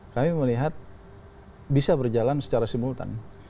kami melihat bisa berjalan secara simultan